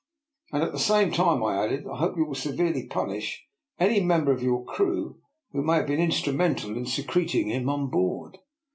" And at the same time," I added, " I hope you will severely punish any member of your crew who may have been instrumental in se creting him on board."